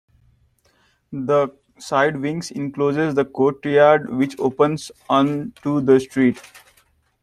The side wings enclose the courtyard, which opens on to the street.